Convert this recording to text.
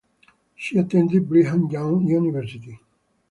She attended Brigham Young University.